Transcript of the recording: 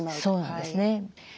そうなんですね。